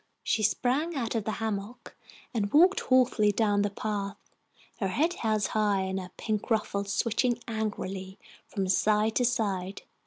She sprang out of the hammock and walked haughtily down the path, her head held high, and her pink ruffles switching angrily from side to side.